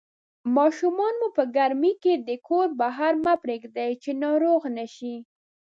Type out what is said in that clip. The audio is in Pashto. ماشومان مو په ګرمۍ کې د کور بهر مه پرېږدئ چې ناروغ نشي